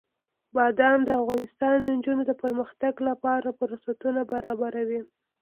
بادام د افغان نجونو د پرمختګ لپاره فرصتونه برابروي.